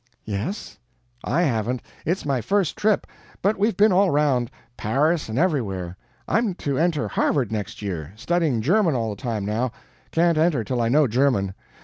"Yes." "I haven't. It's my first trip. But we've been all around Paris and everywhere. I'm to enter Harvard next year. Studying German all the time now. Can't enter till I know German.